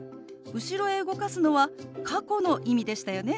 後ろへ動かすのは過去の意味でしたよね。